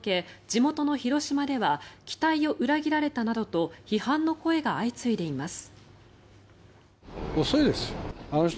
地元の広島では期待を裏切られたなどと批判の声が相次いでいます。